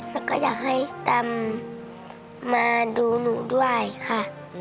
แล้วก็อยากให้ตำมาดูหนูด้วยค่ะ